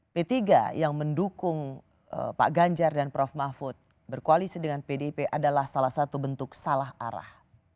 p tiga yang mendukung pak ganjar dan prof mahfud berkoalisi dengan pdip adalah salah satu bentuk salah arah